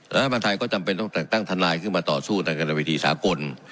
และภาษาไทยก็จำเป็นต้องจักรตั้งทันลายขึ้นมาต่อสู้ในการวิธีสากล